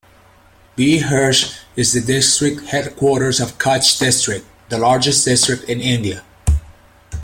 Bhuj is the district headquarters of Kutch District, the largest district in India.